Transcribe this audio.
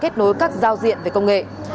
để kết nối các giao diện về công nghệ